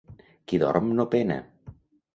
Qui dorm no pena.